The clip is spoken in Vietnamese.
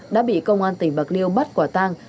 đã bị công an tỉnh bạc liêu bắt quả tang